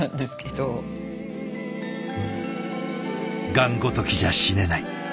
「がんごときじゃ死ねない」